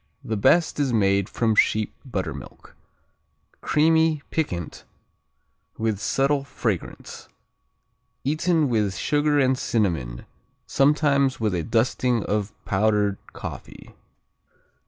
The best is made from sheep buttermilk. Creamy, piquant, with subtle fragrance. Eaten with sugar and cinnamon, sometimes with a dusting of powdered coffee.